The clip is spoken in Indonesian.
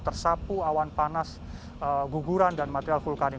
tersapu awan panas guguran dan material vulkanik